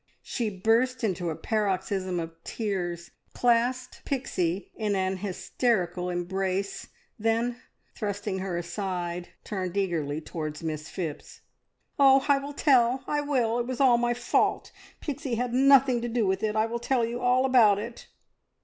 She burst into a paroxysm of tears, clasped Pixie in an hysterical embrace, then, thrusting her aside, turned eagerly towards Miss Phipps. "Oh, I will tell I will! It was all my fault Pixie had nothing to do with it I will tell you all about it."